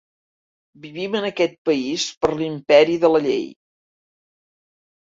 Vivim en aquest país per l'imperi de la llei.